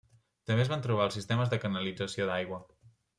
També es van trobar els sistemes de canalització d'aigua.